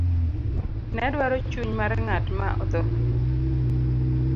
nedwaro chuny mar ng'at ma odho